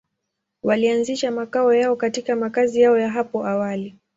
Walianzisha makao yao katika makazi yao ya hapo awali.